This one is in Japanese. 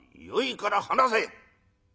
「よいから話せ！」。